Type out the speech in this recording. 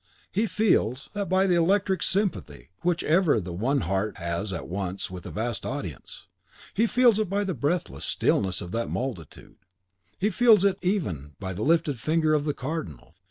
He feels THAT by the electric sympathy which ever the one heart has at once with a vast audience. He feels it by the breathless stillness of that multitude; he feels it even by the lifted finger of the Cardinal.